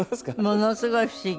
ものすごい不思議。